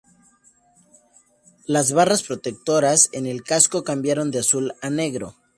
Las barras protectoras en el casco cambiaron de azul a negro.